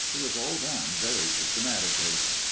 It was all done very systematically.